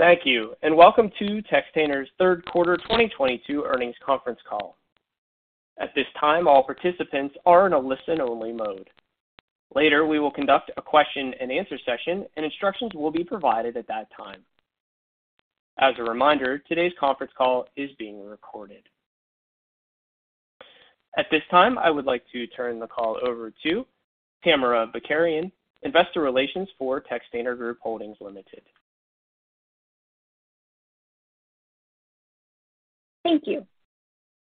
Thank you, and welcome to Textainer's Third Quarter 2022 Earnings Conference Call. At this time, all participants are in a listen-only mode. Later, we will conduct a question-and-answer session, and instructions will be provided at that time. As a reminder, today's conference call is being recorded. At this time, I would like to turn the call over to Tamara Bakarian, investor relations for Textainer Group Holdings Limited. Thank you.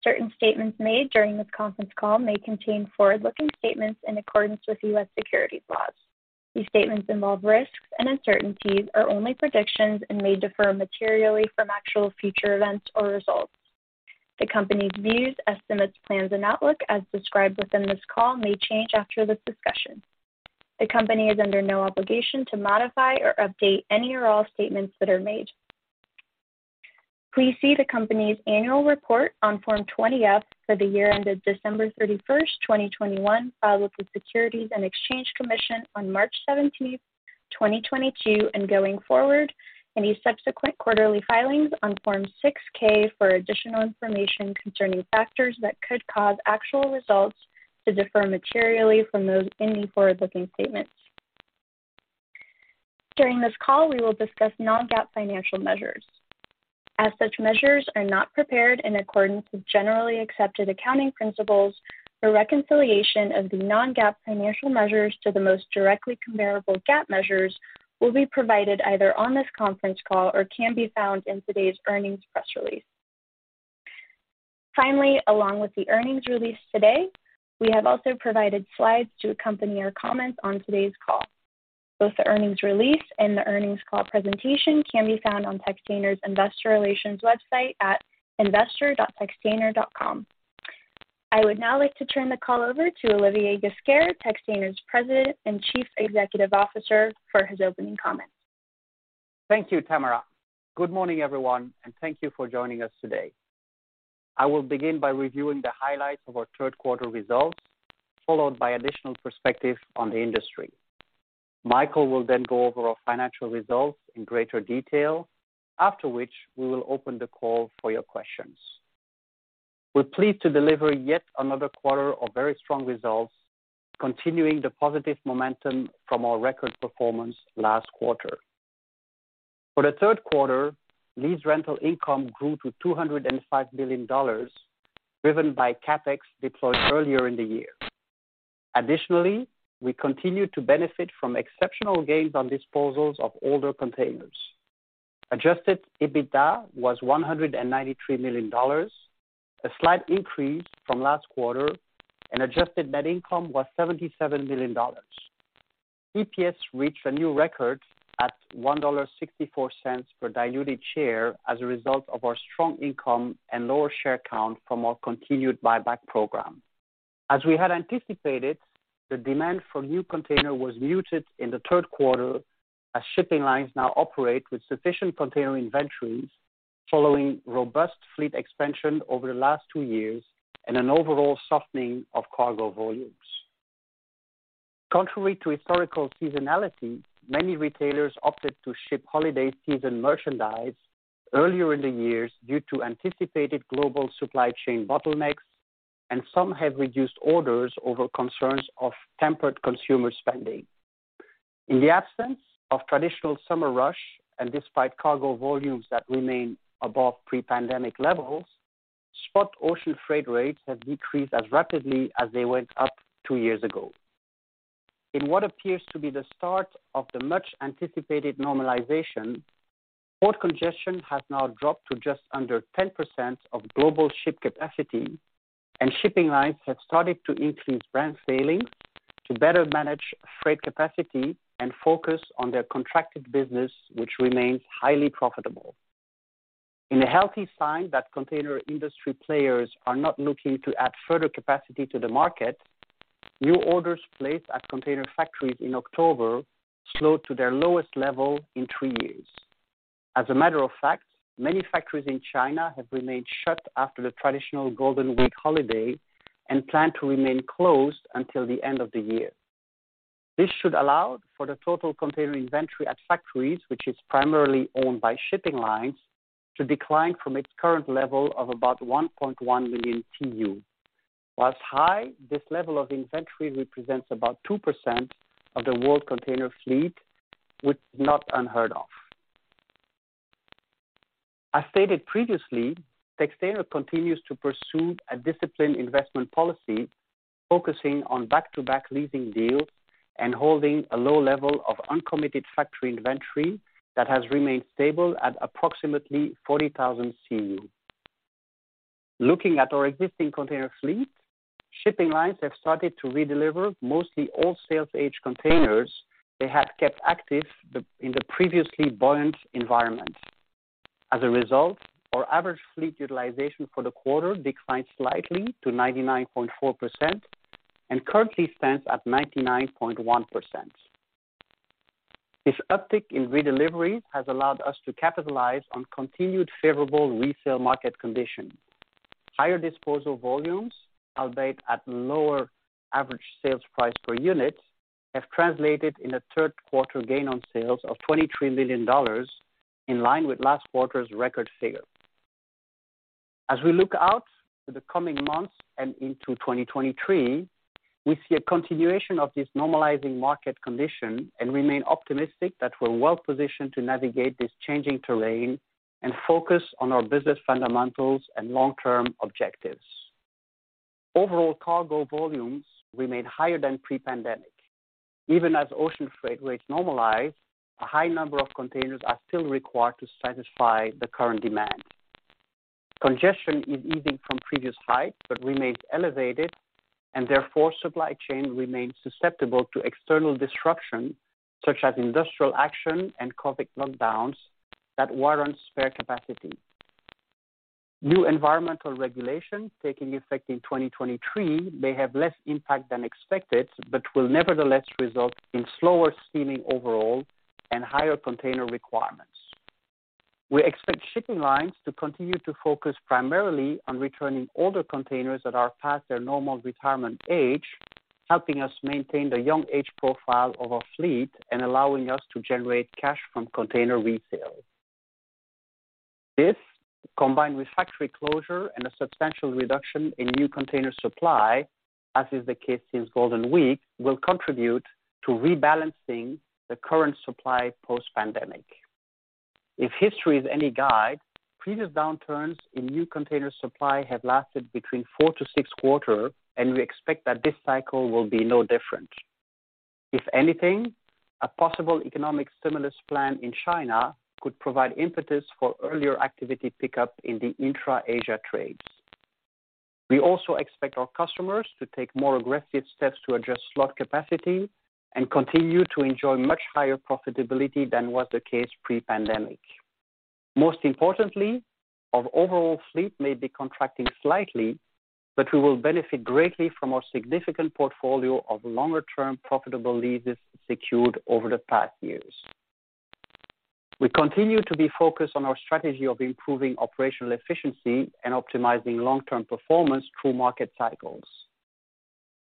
Certain statements made during this conference call may contain forward-looking statements in accordance with U.S. securities laws. These statements involve risks and uncertainties, are only predictions, and may differ materially from actual future events or results. The company's views, estimates, plans, and outlook as described within this call may change after this discussion. The company is under no obligation to modify or update any or all statements that are made. Please see the company's annual report on Form 20-F for the year ended December 31st, 2021, filed with the Securities and Exchange Commission on March 17th, 2022, and going forward, any subsequent quarterly filings on Form 6-K for additional information concerning factors that could cause actual results to differ materially from those any forward-looking statements. During this call, we will discuss non-GAAP financial measures. As such measures are not prepared in accordance with generally accepted accounting principles, the reconciliation of the non-GAAP financial measures to the most directly comparable GAAP measures will be provided either on this conference call or can be found in today's earnings press release. Finally, along with the earnings release today, we have also provided slides to accompany our comments on today's call. Both the earnings release and the earnings call presentation can be found on Textainer's investor relations website at investor.textainer.com. I would now like to turn the call over to Olivier Ghesquiere, Textainer's President and Chief Executive Officer, for his opening comments. Thank you, Tamara. Good morning, everyone, and thank you for joining us today. I will begin by reviewing the highlights of our third quarter results, followed by additional perspective on the industry. Michael will then go over our financial results in greater detail. After which, we will open the call for your questions. We're pleased to deliver yet another quarter of very strong results, continuing the positive momentum from our record performance last quarter. For the third quarter, lease rental income grew to $205 million, driven by CapEx deployed earlier in the year. Additionally, we continued to benefit from exceptional gains on disposals of older containers. Adjusted EBITDA was $193 million, a slight increase from last quarter, and adjusted net income was $77 million. EPS reached a new record at $1.64 per diluted share as a result of our strong income and lower share count from our continued buyback program. As we had anticipated, the demand for new containers was muted in the third quarter as shipping lines now operate with sufficient container inventories following robust fleet expansion over the last two years and an overall softening of cargo volumes. Contrary to historical seasonality, many retailers opted to ship holiday season merchandise earlier in the year due to anticipated global supply chain bottlenecks, and some have reduced orders over concerns of tempered consumer spending. In the absence of traditional summer rush, and despite cargo volumes that remain above pre-pandemic levels, spot ocean freight rates have decreased as rapidly as they went up two years ago. In what appears to be the start of the much-anticipated normalization, port congestion has now dropped to just under 10% of global ship capacity, and shipping lines have started to increase blank sailing to better manage freight capacity and focus on their contracted business, which remains highly profitable. In a healthy sign that container industry players are not looking to add further capacity to the market, new orders placed at container factories in October slowed to their lowest level in three years. As a matter of fact, many factories in China have remained shut after the traditional Golden Week holiday and plan to remain closed until the end of the year. This should allow for the total container inventory at factories, which is primarily owned by shipping lines, to decline from its current level of about 1.1 million TEU. While high, this level of inventory represents about 2% of the world container fleet, which is not unheard of. As stated previously, Textainer continues to pursue a disciplined investment policy, focusing on back-to-back leasing deals and holding a low level of uncommitted factory inventory that has remained stable at approximately 40,000 CEU. Looking at our existing container fleet, shipping lines have started to redeliver mostly all sales age containers they have kept active in the previously buoyant environment. As a result, our average fleet utilization for the quarter declined slightly to 99.4% and currently stands at 99.1%. This uptick in redelivery has allowed us to capitalize on continued favorable resale market conditions. Higher disposal volumes, albeit at lower average sales price per unit, have translated into a third quarter gain on sales of $23 million, in line with last quarter's record figure. As we look out for the coming months and into 2023, we see a continuation of this normalizing market condition and remain optimistic that we're well-positioned to navigate this changing terrain and focus on our business fundamentals and long-term objectives. Overall cargo volumes remain higher than pre-pandemic. Even as ocean freight rates normalize, a high number of containers are still required to satisfy the current demand. Congestion is easing from previous heights, but remains elevated, and therefore, supply chain remains susceptible to external disruption, such as industrial action and COVID lockdowns that warrant spare capacity. New environmental regulations taking effect in 2023 may have less impact than expected, but will nevertheless result in slower steaming overall and higher container requirements. We expect shipping lines to continue to focus primarily on returning older containers that are past their normal retirement age, helping us maintain the young age profile of our fleet and allowing us to generate cash from container resale. This, combined with factory closure and a substantial reduction in new container supply, as is the case since Golden Week, will contribute to rebalancing the current supply post-pandemic. If history is any guide, previous downturns in new container supply have lasted between four-six quarters, and we expect that this cycle will be no different. If anything, a possible economic stimulus plan in China could provide impetus for earlier activity pickup in the intra-Asia trades. We also expect our customers to take more aggressive steps to adjust slot capacity and continue to enjoy much higher profitability than was the case pre-pandemic. Most importantly, our overall fleet may be contracting slightly, but we will benefit greatly from our significant portfolio of longer-term profitable leases secured over the past years. We continue to be focused on our strategy of improving operational efficiency and optimizing long-term performance through market cycles.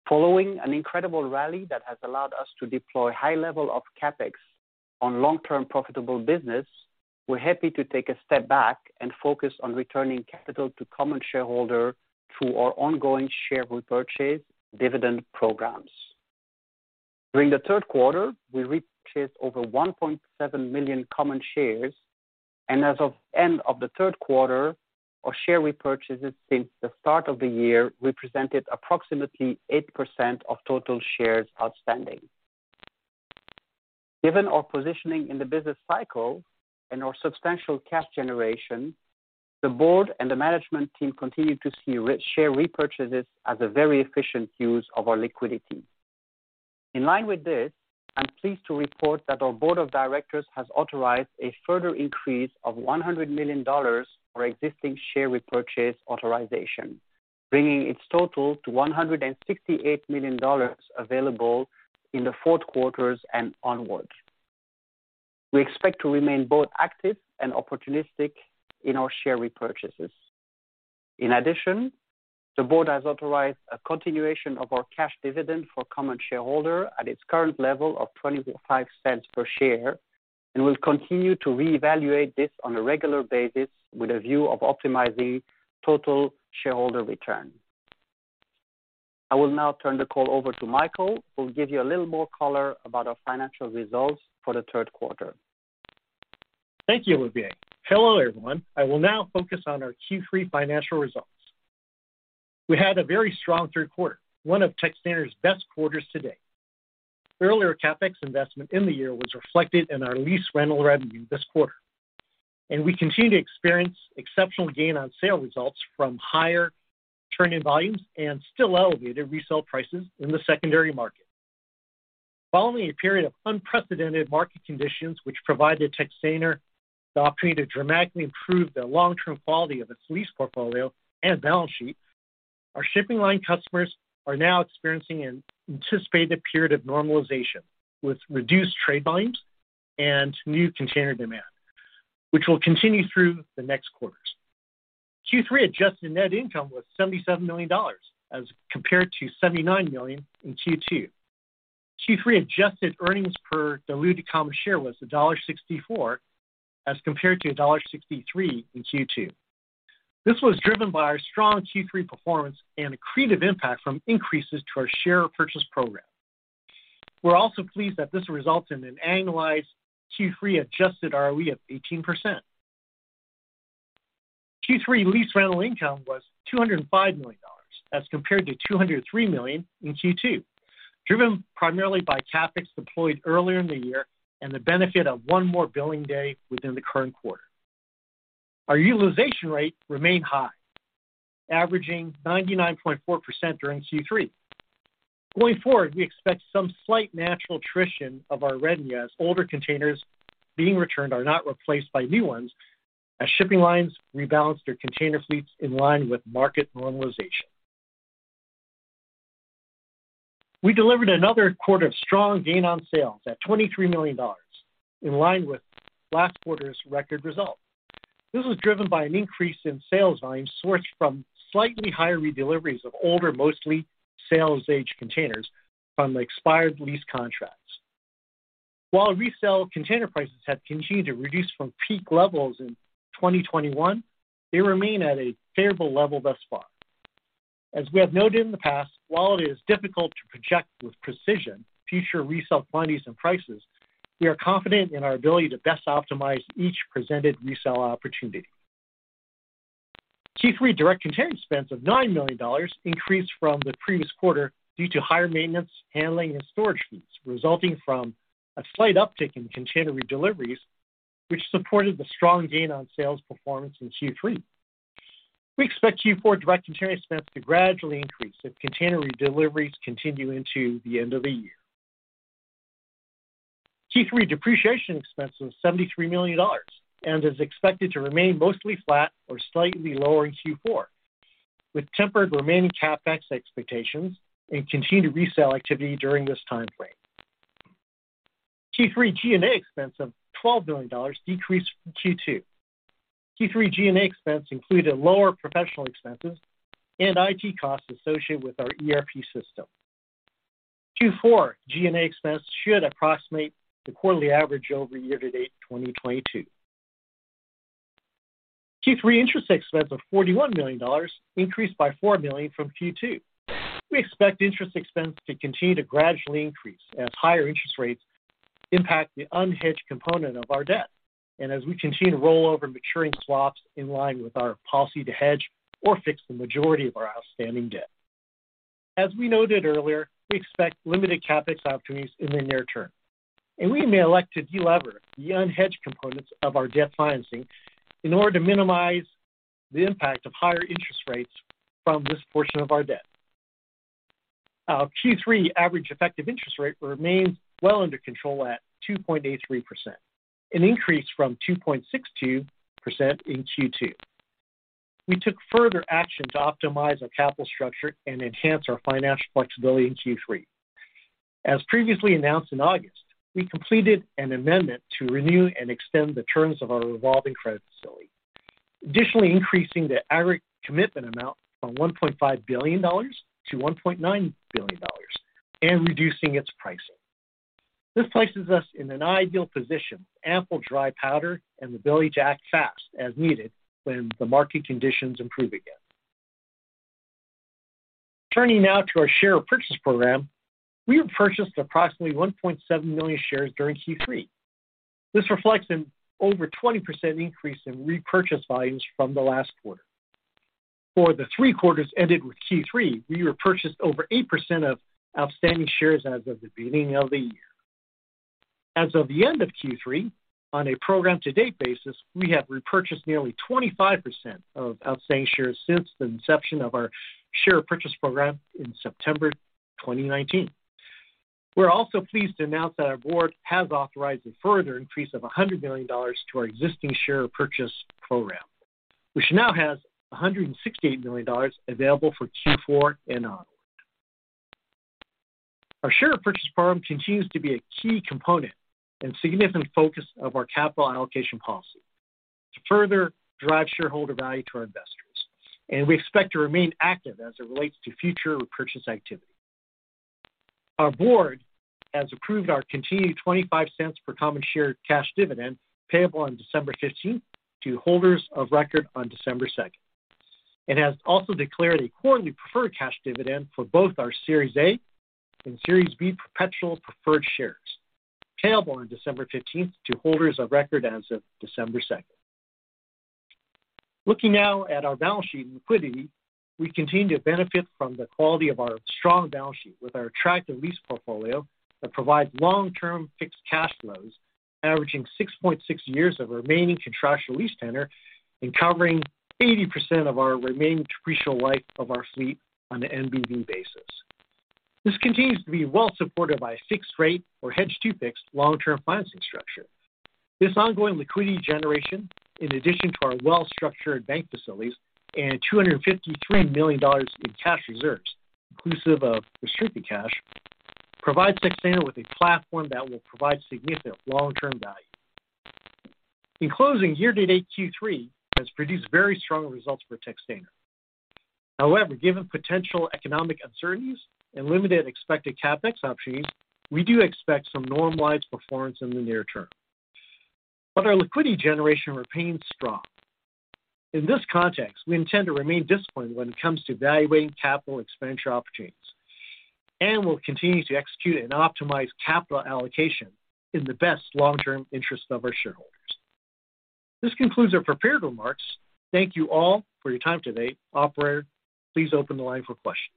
Following an incredible rally that has allowed us to deploy high level of CapEx on long-term profitable business, we're happy to take a step back and focus on returning capital to common shareholder through our ongoing share repurchase dividend programs. During the third quarter, we repurchased over 1.7 million common shares, and as of end of the third quarter, our share repurchases since the start of the year represented approximately 8% of total shares outstanding. Given our positioning in the business cycle and our substantial cash generation, the board and the management team continue to see share repurchases as a very efficient use of our liquidity. In line with this, I'm pleased to report that our board of directors has authorized a further increase of $100 million for existing share repurchase authorization, bringing its total to $168 million available in the fourth quarters and onwards. We expect to remain both active and opportunistic in our share repurchases. In addition, the board has authorized a continuation of our cash dividend for common shareholder at its current level of $0.25 per share, and we'll continue to reevaluate this on a regular basis with a view of optimizing total shareholder return. I will now turn the call over to Michael, who will give you a little more color about our financial results for the third quarter. Thank you, Olivier. Hello, everyone. I will now focus on our Q3 financial results. We had a very strong third quarter, one of Textainer's best quarters to date. Earlier CapEx investment in the year was reflected in our lease rental revenue this quarter. And we continue to experience exceptional gain on sale results from higher turn-in-volumes and still elevated resale prices in the secondary market. Following a period of unprecedented market conditions, which provided Textainer the opportunity to dramatically improve the long-term quality of its lease portfolio and balance sheet, our shipping line customers are now experiencing an anticipated period of normalization with reduced trade volumes and new container demand, which will continue through the next quarters. Q3 Adjusted Net Income was $77 million as compared to $79 million in Q2. Q3 adjusted earnings per diluted common share was $1.64 as compared to $1.63 in Q2. This was driven by our strong Q3 performance and accretive impact from increases to our share purchase program. We're also pleased that this results in an annualized Q3 adjusted ROE of 18%. Q3 lease rental income was $205 million as compared to $203 million in Q2, driven primarily by CapEx deployed earlier in the year and the benefit of one more billing day within the current quarter. Our utilization rate remained high, averaging 99.4% during Q3. Going forward, we expect some slight natural attrition of our revenue, as older containers being returned are not replaced by new ones, as shipping lines rebalance their container fleets in line with market normalization. We delivered another quarter of strong gain on sales at $23 million, in line with last quarter's record result. This was driven by an increase in sales volume sourced from slightly higher redeliveries of older, mostly sales-aged containers from the expired lease contracts. While resale container prices have continued to reduce from peak levels in 2021, they remain at a favorable level thus far. As we have noted in the past, while it is difficult to project with precision future resale volumes and prices, we are confident in our ability to best optimize each presented resale opportunity. Q3 direct container expense of $9 million increased from the previous quarter due to higher maintenance, handling, and storage fees, resulting from a slight uptick in container redeliveries, which supported the strong gain on sales performance in Q3. We expect Q4 direct container expense to gradually increase if container redeliveries continue into the end of the year. Q3 depreciation expense was $73 million and is expected to remain mostly flat or slightly lower in Q4, with tempered remaining CapEx expectations and continued resale activity during this timeframe. Q3 G&A expense of $12 million decreased from Q2. Q3 G&A expense included lower professional expenses and IT costs associated with our ERP system. Q4 G&A expense should approximate the quarterly average over year-to-date 2022. Q3 interest expense of $41 million increased by $4 million from Q2. We expect interest expense to continue to gradually increase as higher interest rates impact the unhedged component of our debt, and as we continue to roll over maturing swaps in line with our policy to hedge or fix the majority of our outstanding debt. As we noted earlier, we expect limited CapEx opportunities in the near term, and we may elect to delever the unhedged components of our debt financing in order to minimize the impact of higher interest rates from this portion of our debt. Our Q3 average effective interest rate remains well under control at 2.83%, an increase from 2.62% in Q2. We took further action to optimize our capital structure and enhance our financial flexibility in Q3. As previously announced in August, we completed an amendment to renew and extend the terms of our revolving credit facility, additionally increasing the aggregate commitment amount from $1.5 billion to $1.9 billion and reducing its pricing. This places us in an ideal position with ample dry powder and the ability to act fast as needed when the market conditions improve again. Turning now to our share purchase program. We have purchased approximately 1.7 million shares during Q3. This reflects an over 20% increase in repurchase volumes from the last quarter. For the three quarters ended with Q3, we repurchased over 8% of outstanding shares as of the beginning of the year. As of the end of Q3, on a program-to-date basis, we have repurchased nearly 25% of outstanding shares since the inception of our share purchase program in September 2019. We're also pleased to announce that our board has authorized a further increase of $100 million to our existing share purchase program, which now has $168 million available for Q4 and onward. Our share purchase program continues to be a key component and significant focus of our capital allocation policy to further drive shareholder value to our investors, and we expect to remain active as it relates to future repurchase activity. Our board has approved our continued $0.25 per common share cash dividend payable on December 15th to holders of record on December 2nd, and has also declared a quarterly preferred cash dividend for both our Series A and Series B perpetual preferred shares, payable on December 15th to holders of record as of December 2nd. Looking now at our balance sheet and liquidity. We continue to benefit from the quality of our strong balance sheet with our attractive lease portfolio that provides long-term fixed cash flows, averaging 6.6 years of remaining contractual lease tenor and covering 80% of our remaining depreciable life of our fleet on an NBV basis. This continues to be well supported by a fixed rate or hedge-to-fix long-term financing structure. This ongoing liquidity generation, in addition to our well-structured bank facilities and $253 million in cash reserves, inclusive of restricted cash, provides Textainer with a platform that will provide significant long-term value. In closing, year-to-date Q3 has produced very strong results for Textainer. However, given potential economic uncertainties and limited expected CapEx opportunities, we do expect some normalized performance in the near term, but our liquidity generation remains strong. In this context, we intend to remain disciplined when it comes to evaluating capital expenditure opportunities, and we'll continue to execute and optimize capital allocation in the best long-term interest of our shareholders. This concludes our prepared remarks. Thank you all for your time today. Operator, please open the line for questions.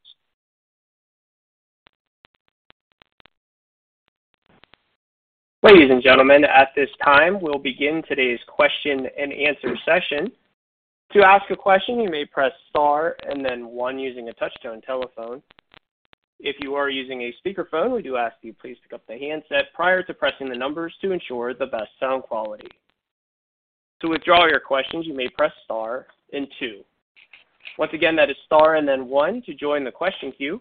Ladies and gentlemen, at this time, we'll begin today's question-and-answer session. To ask a question, you may press star and then one using a touch-tone telephone. If you are using a speakerphone, we do ask you please pick up the handset prior to pressing the numbers to ensure the best sound quality. To withdraw your questions, you may press star and two. Once again, that is star and then one to join the question queue.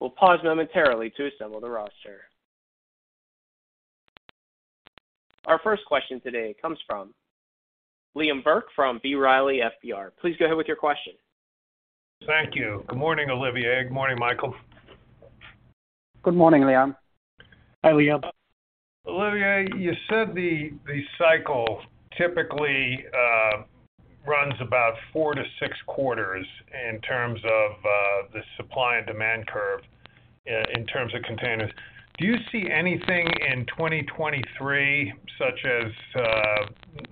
We'll pause momentarily to assemble the roster. Our first question today comes from Liam Burke from B. Riley FBR. Please go ahead with your question. Thank you. Good morning, Olivier. Good morning, Michael. Good morning, Liam. Hi, Liam. Olivier, you said the cycle typically runs about four-six quarters in terms of the supply and demand curve in terms of containers. Do you see anything in 2023, such as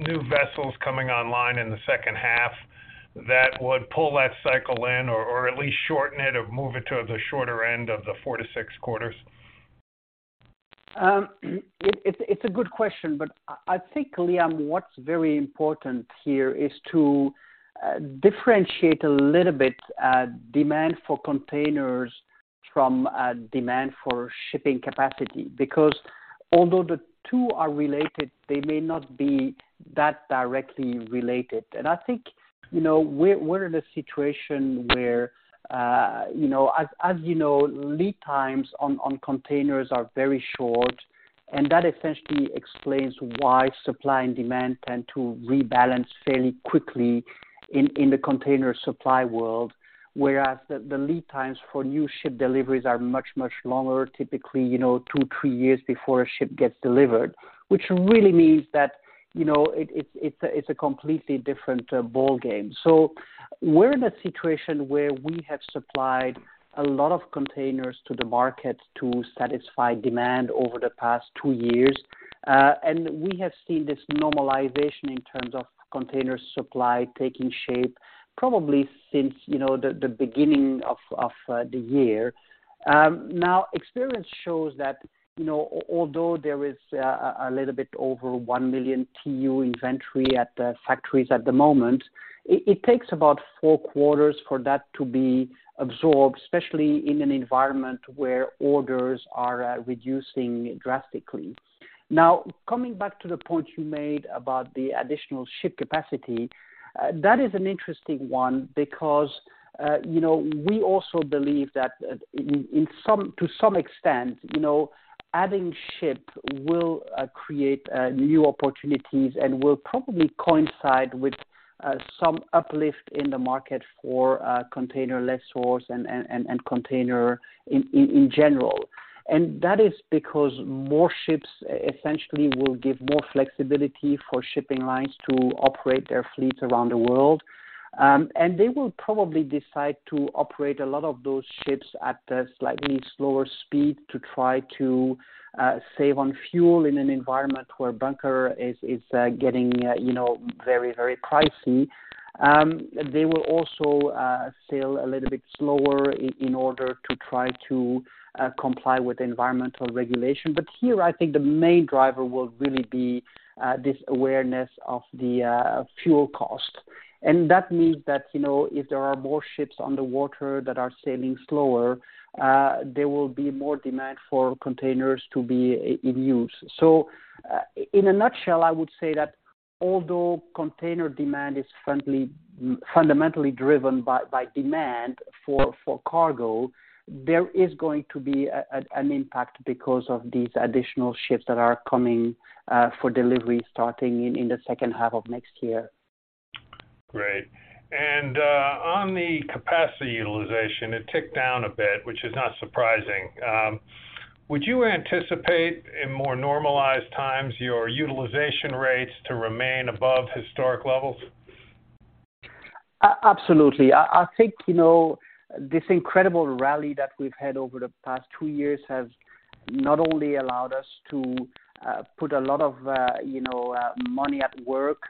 new vessels coming online in the second half that would pull that cycle in or at least shorten it or move it to the shorter end of the four-six quarters? It's a good question, but I think, Liam, what's very important here is to differentiate a little bit demand for containers from demand for shipping capacity. Because although the two are related, they may not be that directly related. I think, you know, we're in a situation where, you know, as you know, lead times on containers are very short, and that essentially explains why supply and demand tend to rebalance fairly quickly in the container supply world. Whereas the lead times for new ship deliveries are much, much longer, typically, you know, two, three years before a ship gets delivered, which really means that, you know, it's a completely different ballgame. So we're in a situation where we have supplied a lot of containers to the market to satisfy demand over the past two years. And we have seen this normalization in terms of container supply taking shape probably since the beginning of the year. Now experience shows that, although there is a little bit over 1 million TEU inventory at the factories at the moment, it takes about four quarters for that to be absorbed, especially in an environment where orders are reducing drastically. Now, coming back to the point you made about the additional ship capacity, that is an interesting one because, you know, we also believe that, to some extent, you know, adding ship will create new opportunities and will probably coincide with some uplift in the market for container lessors and container in general. And that is because more ships essentially will give more flexibility for shipping lines to operate their fleet around the world. And they will probably decide to operate a lot of those ships at a slightly slower speed to try to save on fuel in an environment where bunker is getting very, very pricey. They will also sail a little bit slower in order to try to comply with environmental regulation. But here, I think the main driver will really be this awareness of the fuel cost. That means that, you know, if there are more ships on the water that are sailing slower, there will be more demand for containers to be in use. So in a nutshell, I would say that although container demand is friendly, fundamentally driven by demand for cargo, there is going to be an impact because of these additional ships that are coming for delivery starting in the second half of next year. Great. And on the capacity utilization, it ticked down a bit, which is not surprising. Would you anticipate in more normalized times your utilization rates to remain above historic levels? Absolutely. I think, you know, this incredible rally that we've had over the past two years has not only allowed us to put a lot of, you know, money at work,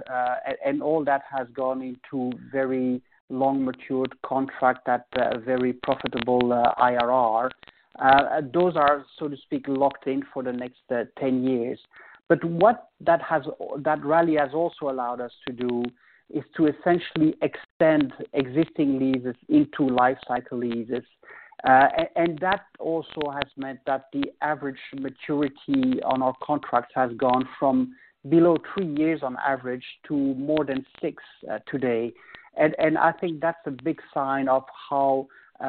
and all that has gone into very long matured contract at a very profitable IRR. Those are, so to speak, locked in for the next 10 years. But what that rally has also allowed us to do is to essentially extend existing leases into life cycle leases. And that also has meant that the average maturity on our contracts has gone from below three years on average to more than six today. And i think that's a big sign of how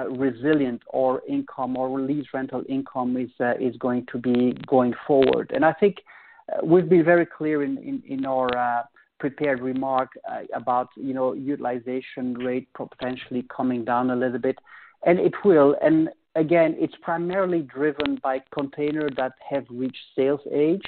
resilient our income or lease rental income is going to be going forward. And i think we've been very clear in our prepared remark about, you know, utilization rate potentially coming down a little bit, and it will. Again, it's primarily driven by containers that have reached sales age,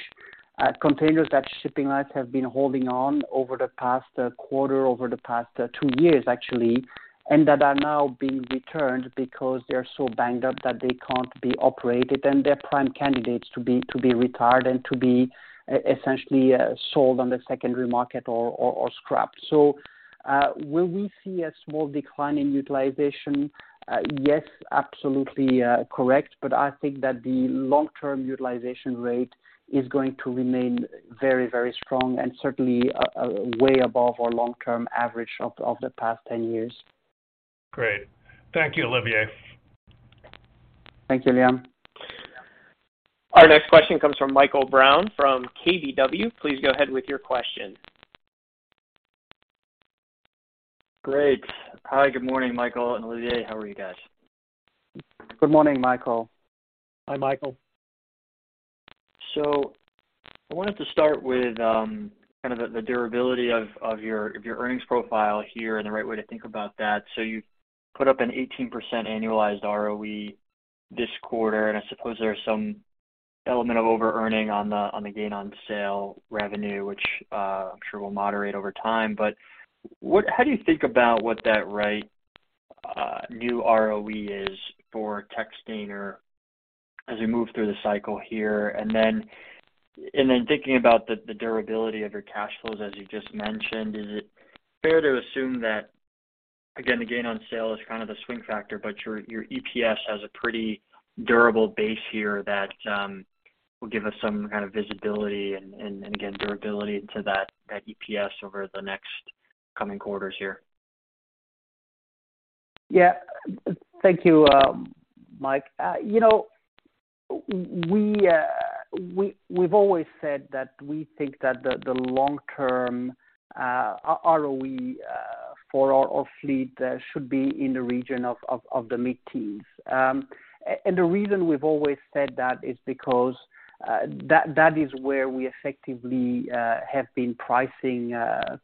containers that shipping lines have been holding on over the past two years, actually, and that are now being returned because they're so banged up that they can't be operated and they're prime candidates to be essentially sold on the secondary market or scrapped. So will we see a small decline in utilization? Yes, absolutely, correct. But i think that the long-term utilization rate is going to remain very, very strong and certainly way above our long-term average of the past 10 years. Great. Thank you, Olivier. Thank you, Liam. Our next question comes from Michael Brown from KBW. Please go ahead with your question. Great. Hi, good morning, Michael and Olivier. How are you guys? Good morning, Michael. Hi, Michael. So i wanted to start with kind of the durability of your earnings profile here and the right way to think about that. So you put up an 18% annualized ROE this quarter, and I suppose there are some element of overearning on the gain-on-sale revenue, which I'm sure will moderate over time. But how do you think about what the right new ROE is for Textainer as we move through the cycle here? And then thinking about the durability of your cash flows, as you just mentioned, is it fair to assume that, again, the gain on sale is kind of the swing factor, but your EPS has a pretty durable base here that will give us some kind of visibility and again, durability to that EPS over the next coming quarters here? Yeah. Thank you, Mike. You know, we've always said that we think that the long-term ROE for our fleet should be in the region of the mid-teens. And the reason we've always said that is because that is where we effectively have been pricing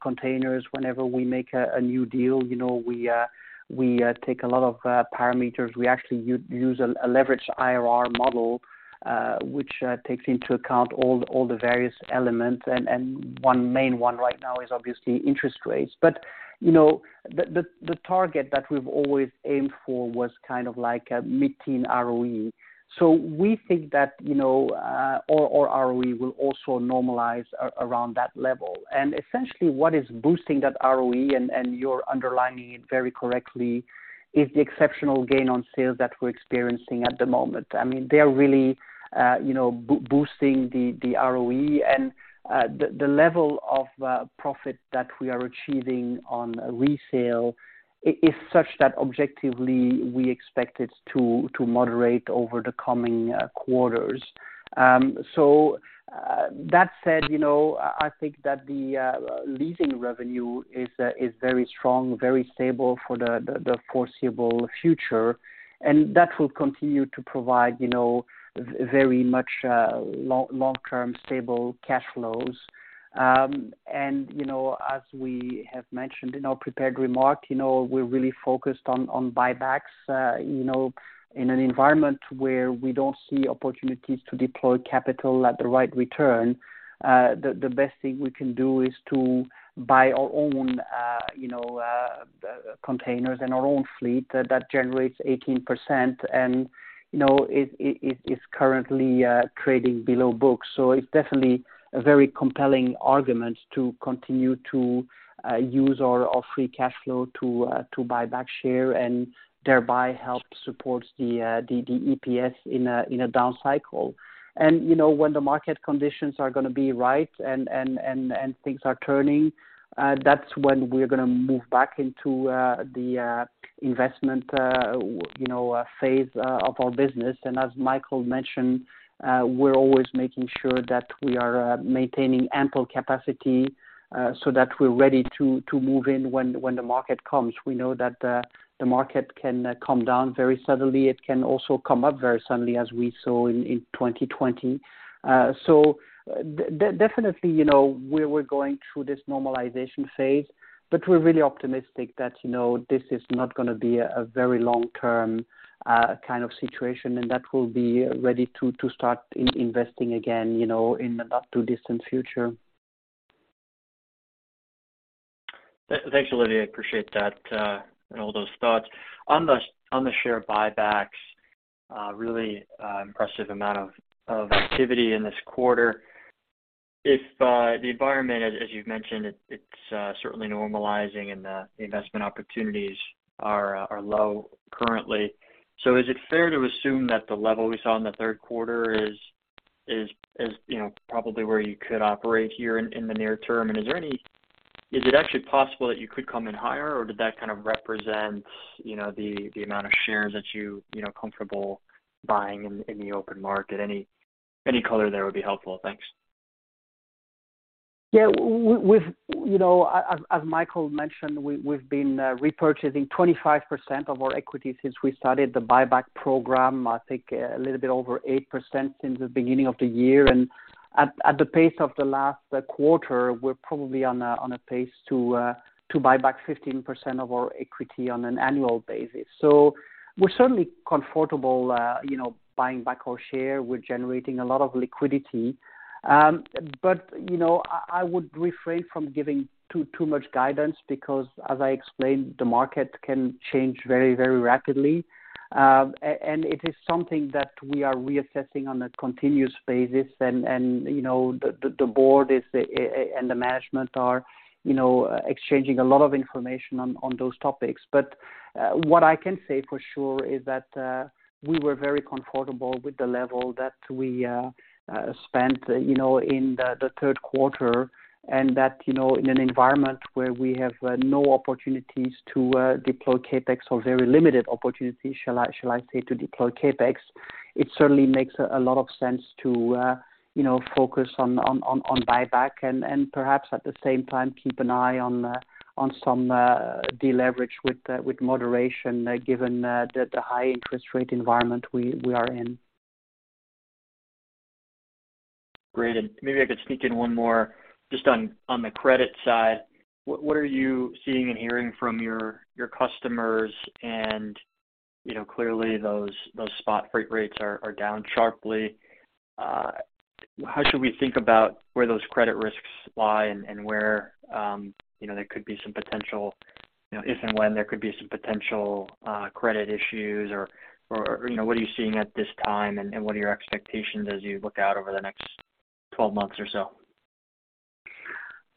containers. Whenever we make a new deal, you know, we take a lot of parameters. We actually use a leveraged IRR model, which takes into account all the various elements. And one main one right now is obviously interest rates. But you know, the target that we've always aimed for was kind of like a mid-teen ROE. So we think that, you know, our ROE will also normalize around that level. And essentially, what is boosting that ROE, and you're underlining it very correctly, is the exceptional gain on sales that we're experiencing at the moment. I mean, they are really boosting the ROE. And the level of profit that we are achieving on resale is such that objectively we expect it to moderate over the coming quarters. So that said, you know, I think that the leasing revenue is very strong, very stable for the foreseeable future, and that will continue to provide, you know, very much long-term stable cash flows. And you know, as we have mentioned in our prepared remark, you know, we're really focused on buybacks. You know, in an environment where we don't see opportunities to deploy capital at the right return, the best thing we can do is to buy our own, you know, containers in our own fleet that generates 18% and, you know, it is currently trading below books. So it's definitely a very compelling argument to continue to use our free cash flow to buy back share and thereby help support the EPS in a down cycle. And you know, when the market conditions are gonna be right and things are turning, that's when we're gonna move back into the investment, you know, phase of our business. As Michael mentioned, we're always making sure that we are maintaining ample capacity so that we're ready to move in when the market comes. We know that the market can come down very suddenly. It can also come up very suddenly as we saw in 2020. So definitely, you know, we're going through this normalization phase, but we're really optimistic that, you know, this is not gonna be a very long-term kind of situation and that we'll be ready to start investing again, you know, in the not too distant future. Thanks, Olivier. I appreciate that and all those thoughts. On the share buybacks, really impressive amount of activity in this quarter. If the environment as you've mentioned, it's certainly normalizing and the investment opportunities are low currently. So is it fair to assume that the level we saw in the third quarter is you know probably where you could operate here in the near term? And is there any? Is it actually possible that you could come in higher, or did that kind of represent you know the amount of shares that you know comfortable buying in the open market? Any color there would be helpful. Thanks. Yeah. We've... You know, as Michael mentioned, we've been repurchasing 25% of our equity since we started the buyback program. I think a little bit over 8% since the beginning of the year. At the pace of the last quarter, we're probably on a pace to buy back 15% of our equity on an annual basis. So we're certainly comfortable, you know, buying back our share. We're generating a lot of liquidity. You know, I would refrain from giving too much guidance because as I explained, the market can change very rapidly. And it is something that we are reassessing on a continuous basis and, you know, the board is and the management are, you know, exchanging a lot of information on those topics. But what i can say for sure is that we were very comfortable with the level that we spent, you know, in the third quarter, and that, you know, in an environment where we have no opportunities to deploy CapEx or very limited opportunities, shall I say, to deploy CapEx, it certainly makes a lot of sense to, you know, focus on buyback and perhaps at the same time, keep an eye on some deleverage with moderation, given the high interest rate environment we are in. Great. Maybe i could sneak in one more just on the credit side. What are you seeing and hearing from your customers? And you know, clearly those spot freight rates are down sharply. How should we think about where those credit risks lie and where, you know, there could be some potential, you know, if and when there could be some potential credit issues or, you know, what are you seeing at this time and what are your expectations as you look out over the next 12 months or so?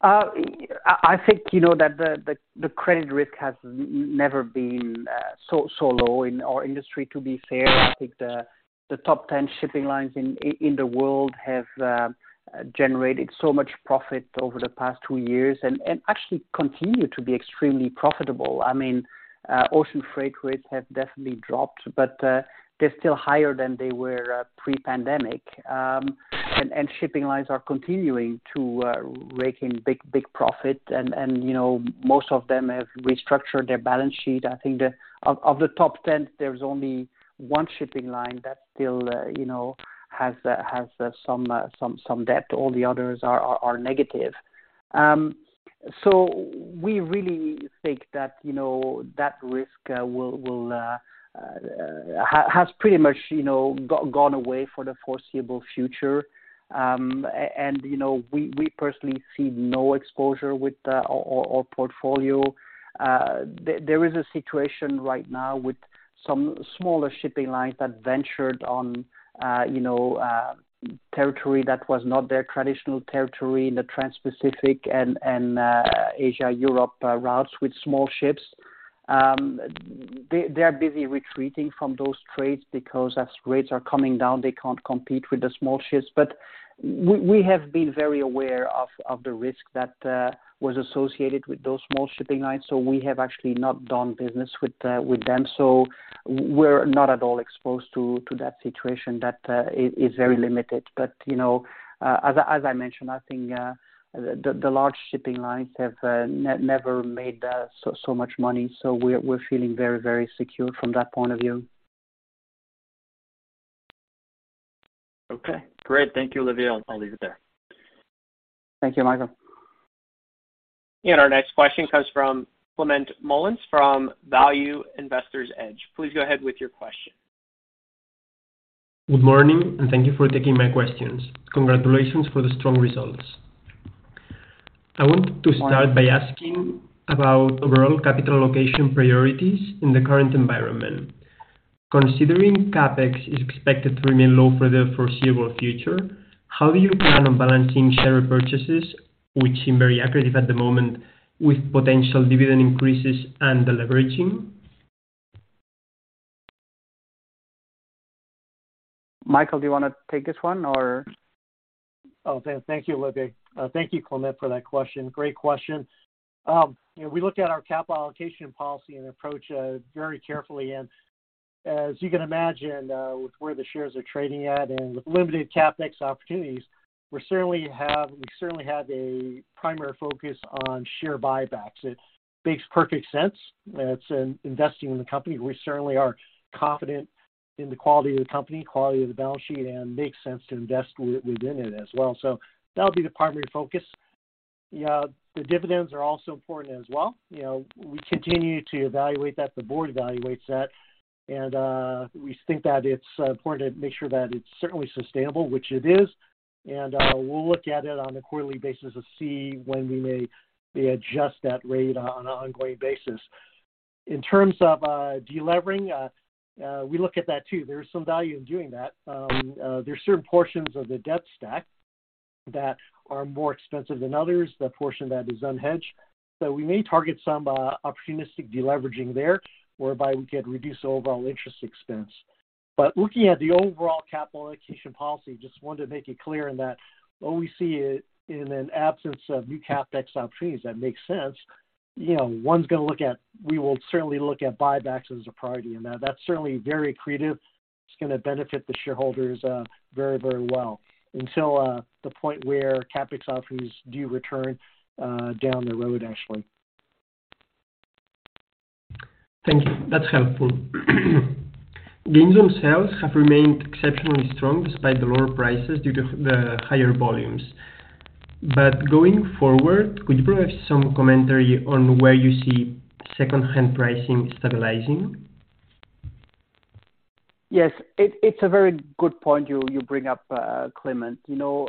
I think you know that the credit risk has never been so low in our industry, to be fair. I think the top 10 shipping lines in the world have generated so much profit over the past two years and actually continue to be extremely profitable. I mean, ocean freight rates have definitely dropped, but they're still higher than they were pre-pandemic. And shipping lines are continuing to rake in big profit. And you know, most of them have restructured their balance sheet. I think of the top 10, there's only one shipping line that still you know has some debt. All the others are negative. So we really think that, you know, that risk has pretty much, you know, gone away for the foreseeable future. And you know, we personally see no exposure with our portfolio. There is a situation right now with some smaller shipping lines that ventured on territory that was not their traditional territory in the Transpacific and Asia-Europe routes with small ships. They are busy retreating from those trades because as rates are coming down, they can't compete with the small ships. But we have been very aware of the risk that was associated with those small shipping lines, so we have actually not done business with them. So we're not at all exposed to that situation that is very limited. But you know, as I mentioned, I think the large shipping lines have never made so much money, so we're feeling very secure from that point of view. Okay, great. Thank you, Olivier. I'll leave it there. Thank you, Michael. Our next question comes from Clement Mullins from Value Investors Edge. Please go ahead with your question. Good morning, and thank you for taking my questions. Congratulations for the strong results. I want to start by asking about overall capital allocation priorities in the current environment. Considering CapEx is expected to remain low for the foreseeable future, how do you plan on balancing share purchases, which seem very accretive at the moment, with potential dividend increases and the leveraging? Michael, do you wanna take this one or? Oh, thank you, Olivier. Thank you, Clement, for that question. Great question. You know, we look at our capital allocation policy and approach very carefully. As you can imagine, with where the shares are trading at and with limited CapEx opportunities, we certainly have a primary focus on share buybacks. It makes perfect sense. It's in investing in the company. We certainly are confident in the quality of the company, quality of the balance sheet, and makes sense to invest within it as well. That'll be the primary focus. The dividends are also important as well. You know, we continue to evaluate that. The board evaluates that. We think that it's important to make sure that it's certainly sustainable, which it is. And we'll look at it on a quarterly basis to see when we may adjust that rate on an ongoing basis. In terms of deleveraging, we look at that too. There's some value in doing that. There's certain portions of the debt stack that are more expensive than others. The portion that is unhedged. We may target some opportunistic deleveraging there, whereby we could reduce overall interest expense. But looking at the overall capital allocation policy, just wanted to make it clear in that when we see it in an absence of new CapEx opportunities, that makes sense. You know, we will certainly look at buybacks as a priority, and that's certainly very accretive. It's gonna benefit the shareholders very, very well until the point where CapEx opportunities do return down the road, actually. Thank you. That's helpful. Gains on sales have remained exceptionally strong despite the lower prices due to the higher volumes. But going forward, could you provide some commentary on where you see secondhand pricing stabilizing? Yes. It's a very good point you bring up, Clement. You know,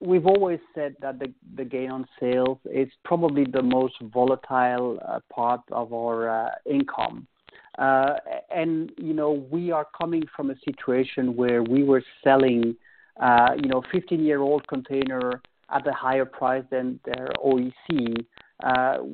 we've always said that the gain on sales is probably the most volatile part of our income. And you know, we are coming from a situation where we were selling, you know, 15-year-old container at a higher price than their OEC,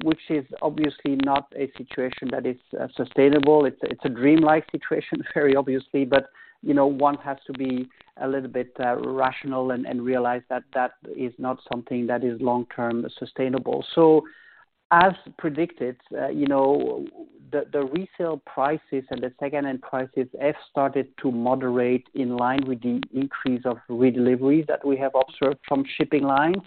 which is obviously not a situation that is sustainable. It's a dreamlike situation very obviously. but you know, one has to be a little bit rational and realize that that is not something that is long-term sustainable. So as predicted, you know, the resale prices and the second-hand prices have started to moderate in line with the increase of redeliveries that we have observed from shipping lines.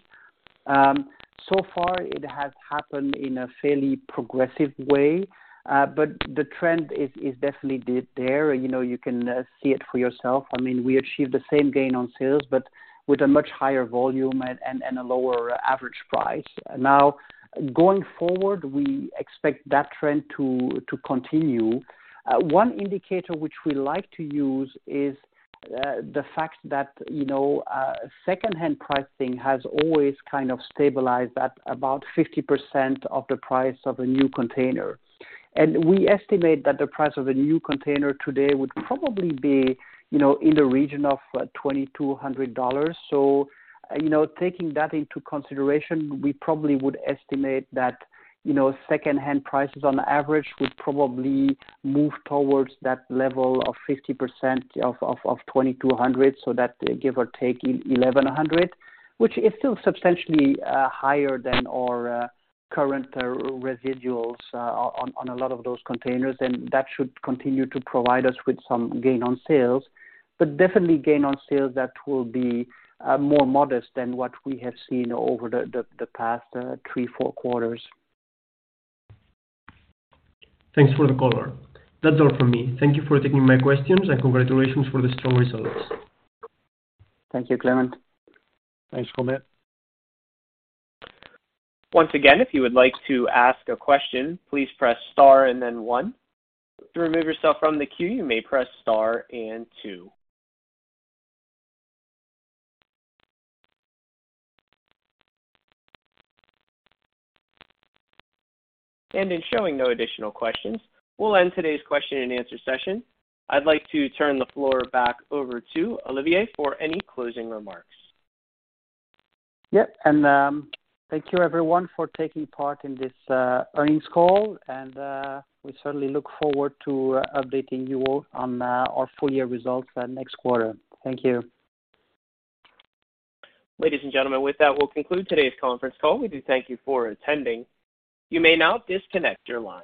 So far it has happened in a fairly progressive way, but the trend is definitely there. You know, you can see it for yourself. I mean, we achieved the same gain on sales, but with a much higher volume and a lower average price. Now, going forward, we expect that trend to continue. One indicator which we like to use is the fact that, you know, second-hand pricing has always kind of stabilized at about 50% of the price of a new container. We estimate that the price of a new container today would probably be, you know, in the region of $2,200. You know, taking that into consideration, we probably would estimate that, you know, second-hand prices on average would probably move towards that level of 50% of $2,200, so that give or take $1,100, which is still substantially higher than our current residuals on a lot of those containers. That should continue to provide us with some gain on sales, but definitely gain on sales that will be more modest than what we have seen over the past three, four quarters. Thanks for the color. That's all from me. Thank you for taking my questions, and congratulations for the strong results. Thank you, Clement. Thanks, Clement. Once again, if you would like to ask a question, please press star and then one. To remove yourself from the queue, you may press star and two. Seeing no additional questions, we'll end today's question and answer session. I'd like to turn the floor back over to Olivier for any closing remarks. Yep. Thank you everyone for taking part in this earnings call. We certainly look forward to updating you all on our full year results next quarter. Thank you. Ladies and gentlemen, with that, we'll conclude today's conference call. We do thank you for attending. You may now disconnect your lines.